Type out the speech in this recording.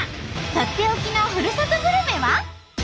とっておきのふるさとグルメは？